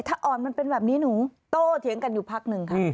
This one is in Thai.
ถ้าอ่อนมันเป็นแบบนี้หนูโตเถียงกันอยู่พักหนึ่งค่ะ